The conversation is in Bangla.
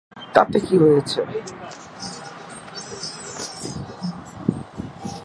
তাতে কি হয়েছে!